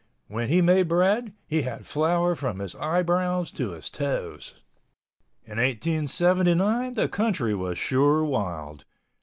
When he made bread, he had flour from his eyebrows to his toes. In 1879 the country was sure wild.